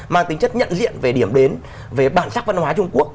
mang tính chất nhận diện về điểm đến về bản sắc văn hóa trung quốc